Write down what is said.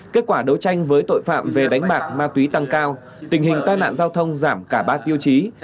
kết quả đấu tranh với tội phạm về đánh bạc ma túy tăng cao tình hình tai nạn giao thông giảm cả ba tiêu chí